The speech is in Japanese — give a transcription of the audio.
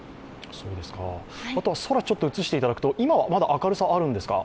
空をちょっと映していただくと、今はまだ明るさはあるんですか？